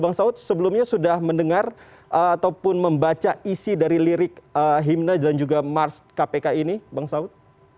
bang saud sebelumnya sudah mendengar ataupun membaca isi dari lirik himna dan juga mars kpk ini bang saud